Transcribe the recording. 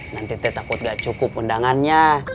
nanti takut gak cukup undangannya